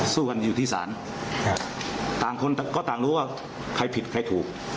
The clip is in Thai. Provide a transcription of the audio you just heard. สู้กันอยู่ที่ศาลต่างคนต่างก็ต่างรู้ว่าใครผิดใครถูก